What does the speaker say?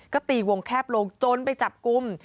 ก็ตีวงแคบลงจนไปจับกลุ่ม